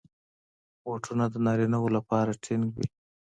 بوټونه د نارینه وو لپاره ټینګ وي.